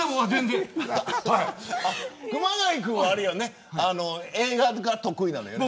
熊谷君は映画が得意なのよね。